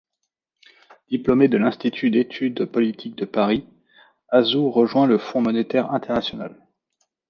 Diplômé de l'Institut d'études politiques de Paris, Azour rejoint le Fonds monétaire international.